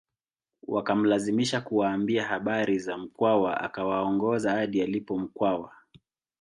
Wakamlazimisha kuwaambia habari za Mkwawa akawaongoza hadi alipo Mkwawa